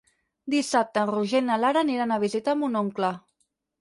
Dissabte en Roger i na Lara aniran a visitar mon oncle.